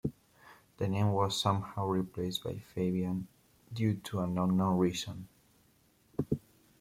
The name was somehow replaced by Fabian due to an unknown reason.